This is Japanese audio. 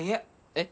えっ？